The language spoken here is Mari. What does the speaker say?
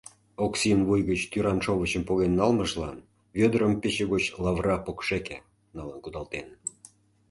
Оксин вуй гыч тӱран шовычым поген налмыжлан Вӧдырым пече гоч лавыра покшеке налын кудалтен.